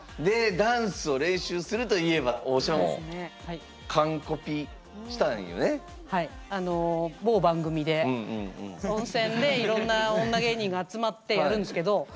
でダンスを練習するといえば温泉でいろんな女芸人が集まってやるんですけど。